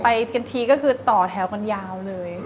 กันทีก็คือต่อแถวกันยาวเลย